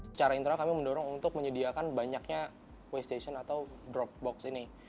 secara internal kami mendorong untuk menyediakan banyaknya waste station atau drop box ini